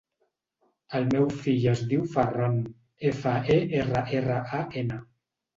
El meu fill es diu Ferran: efa, e, erra, erra, a, ena.